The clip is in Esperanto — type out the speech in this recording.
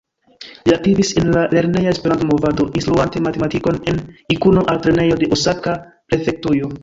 Li aktivis en la lerneja Esperanto-movado instruante matematikon en Ikuno-Altlernejo de Osaka-prefektujo.